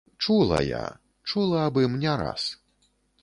Чула я, чула аб ім не раз.